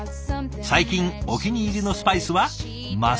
最近お気に入りのスパイスはマスタードシード。